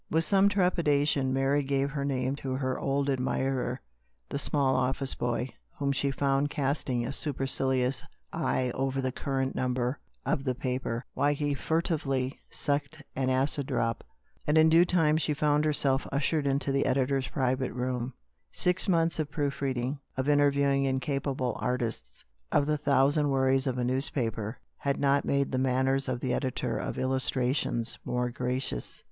With some trepidation Mary gave her / 47 220 , THE STORY OF A MODERN WOMAN. I mfaae to her old admirer the small office boy, whom she found casting a supercilious eye over the current number of the paper, while he furtively sucked an acid drop. And in due time she found herself ushered into the editor's private room. Six months of proof reading, of interviewing incapable artists, of the thousand worries of a newspaper, had not made the manners of the editor of IWmtrar tions more gracious.